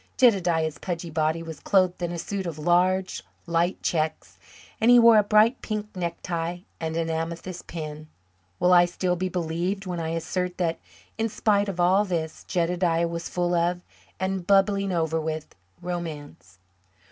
Jedediah's pudgy body was clothed in a suit of large, light checks, and he wore a bright pink necktie and an amethyst pin. Will I still be believed when I assert that, in spite of all this, Jedediah was full of, and bubbling over with, romance?